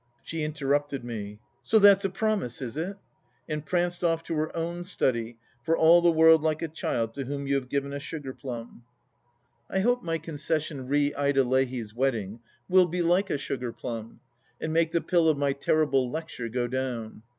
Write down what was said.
.." She interrupted me. " So that's a promise, is it ?" And pranced off to her own study, for all the world like a child to whom you have given a sugar plum. 80 THE LAST DITCH I hope my concession re Ida Leahy's wedding will be like a sugar plum and make the pill of my terrible lecture go down.